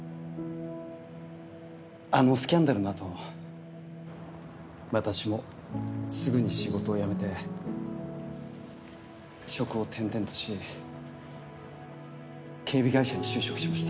あのスキャンダルの後私もすぐに仕事を辞めて職を転々とし警備会社に就職しました。